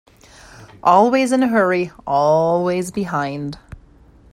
Always in a hurry, always behind.